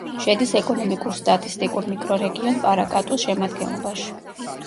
შედის ეკონომიკურ-სტატისტიკურ მიკრორეგიონ პარაკატუს შემადგენლობაში.